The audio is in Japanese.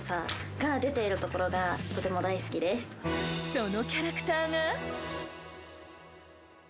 そのキャラクターが。